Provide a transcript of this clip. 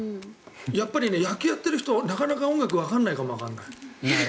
やっぱり野球やってる人なかなか音楽わからないかもわかんない。